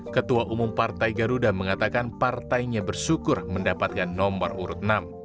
ketua umum partai garuda mengatakan partainya bersyukur mendapatkan nomor urut enam